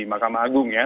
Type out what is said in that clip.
mahkamah agung ya